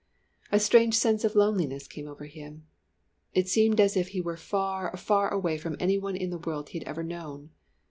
A strange sense of loneliness came over him. It seemed as if he were far, far away from any one in the world he had ever known.